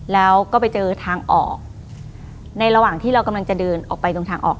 แล้วก็ไปเจอทางออกในระหว่างที่เรากำลังจะเดินออกไปตรงทางออก